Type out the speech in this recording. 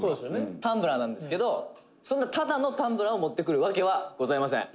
「タンブラーなんですけどそんな、ただのタンブラーを持ってくるわけはございません」